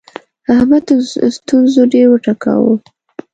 احمد ستونزو ډېر وټکاوو.